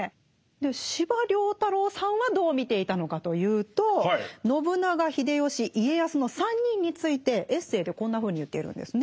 司馬太郎さんはどう見ていたのかというと信長秀吉家康の３人についてエッセーでこんなふうに言っているんですね。